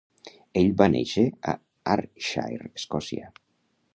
Ell va néixer a Ayrshire, Escòcia.